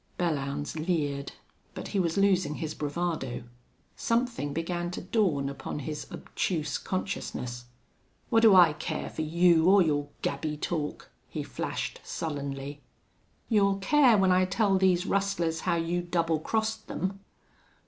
Belllounds leered. But he was losing his bravado. Something began to dawn upon his obtuse consciousness. "What do I care for you or your gabby talk?" he flashed, sullenly. "You'll care when I tell these rustlers how you double crossed them."